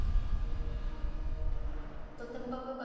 とってもかっこよ